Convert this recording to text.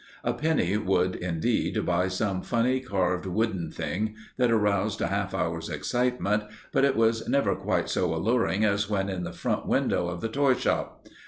A penny would, indeed, buy some funny carved wooden thing that aroused a half hour's excitement, but it was never quite so alluring as when in the front window of the toy shop.